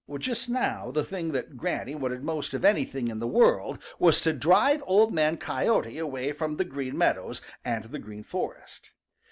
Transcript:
Just now, the thing that Granny wanted most of anything in the world was to drive Old Man Coyote away from the Green Meadows and the Green Forest.